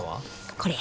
これや。